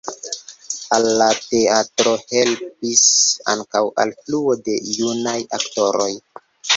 Al la teatro helpis ankaŭ alfluo de junaj aktoroj.